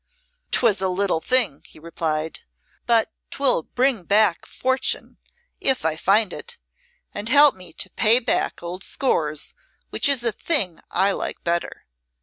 "'Twas a little thing," he replied, "but 'twill bring back fortune if I find it and help me to pay back old scores, which is a thing I like better."